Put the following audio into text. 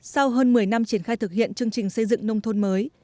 sau hơn một mươi năm triển khai thực hiện chương trình xây dựng nông thôn mới